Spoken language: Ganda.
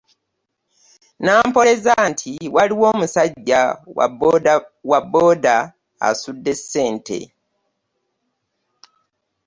Nampoleza nti waliwo omusajja wa booda asudde sente .